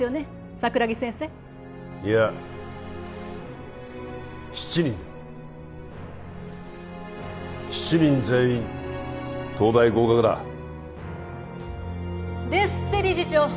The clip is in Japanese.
桜木先生いや７人だ７人全員東大合格だですって理事長